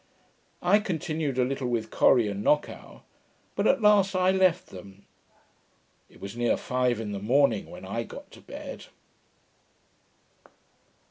I continued a little with Corri and Knockow; but at last I left them. It was near five in the morning when I got to bed.